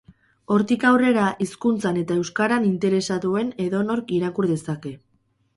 Hortik aurrera, hizkuntzan eta euskaran interesa duen edonork irakur dezake.